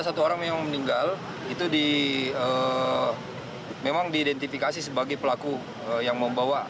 satu orang yang meninggal itu di memang diidentifikasi sebagai pelaku yang membawa